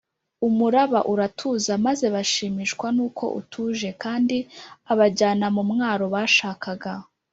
umuraba uratuza, maze bashimishwa n’uko utuje, kandi abajyana mu mwaro bashakaga